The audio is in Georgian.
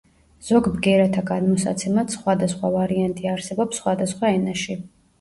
ზოგ ბგერათა გადმოსაცემად სხვადასხვა ვარიანტი არსებობს სხვადასხვა ენაში.